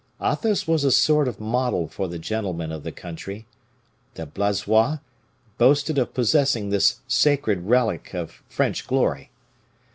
Athos was a sort of model for the gentlemen of the country; the Blaisois boasted of possessing this sacred relic of French glory.